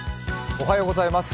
おはようございます。